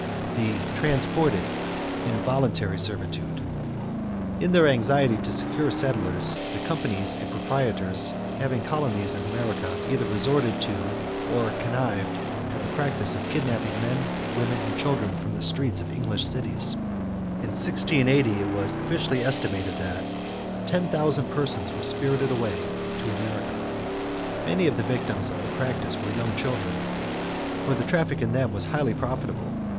=The Transported Involuntary Servitude.= In their anxiety to secure settlers, the companies and proprietors having colonies in America either resorted to or connived at the practice of kidnapping men, women, and children from the streets of English cities. In 1680 it was officially estimated that "ten thousand persons were spirited away" to America. Many of the victims of the practice were young children, for the traffic in them was highly profitable.